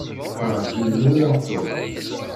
Werǧin nnuleɣ Tom.